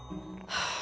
はあ。